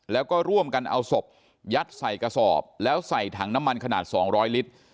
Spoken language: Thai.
แล้วก็ร่วมกันเอาศพยัดใส่กระสอบแล้วใส่ถังน้ำมันขนาด๒๐๐ลิตร